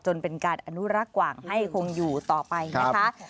จนเป็นการอนุรกว่างให้คงอยู่ต่อไปนะครับ